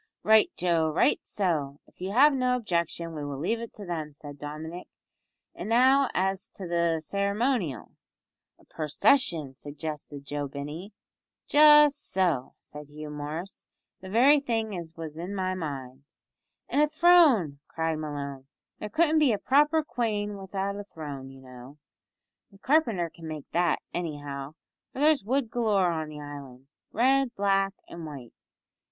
"Right, Joe, right, so, if you have no objection, we will leave it to them," said Dominick, "and now as to the ceremonial?" "A pursession," suggested Joe Binney. "Just so," said Hugh Morris, "the very thing as was in my mind." "And a throne," cried Malone, "there couldn't be a proper quane widout a throne, you know. The carpenter can make that, anyhow, for there's wood galore on the island red, black, an' white.